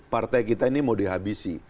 partai kita ini mau dihabisi